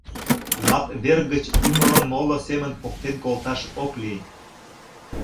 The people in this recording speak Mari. — Лап вер гыч ӱмылым моло семын поктен колташ ок лий.